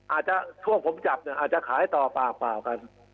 อาจจะช่วงผมจับเนี่ยอาจจะขายต่อเปล่ากัน